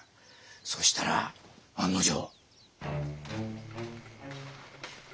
そしたら案の定。